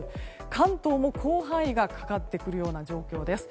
関東も広範囲がかかってくるような状況です。